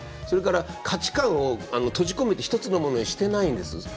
それから価値観を閉じ込めて１つのものにしてないんです。